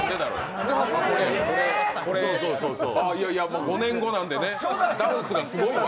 いやいや５年後なんでね、ダンスがすごいわ。